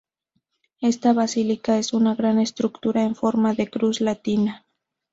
Esta basílica es una gran estructura en forma de cruz latina.